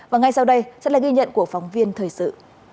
và ngay sau đây sẽ là ghi nhận của phóng viên thời sự